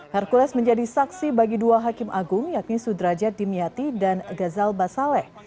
hercules menjadi saksi bagi dua hakim agung yakni sudrajat dimyati dan gazal basaleh